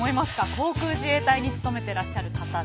航空自衛隊に勤めていらっしゃる方でピッタリ。